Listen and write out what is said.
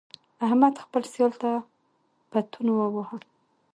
احمد خپل سیال ته پتون وواهه.